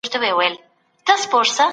غړي پر حکومتي پلانونو نيوکي کوي.